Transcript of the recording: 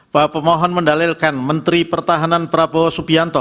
bahwa pemohon mendalilkan menteri pertahanan pertahanan